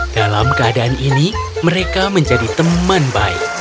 dalam keadaan ini mereka menjadi teman baik